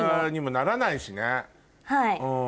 はい。